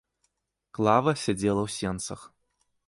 Клава сядзела ў сенцах.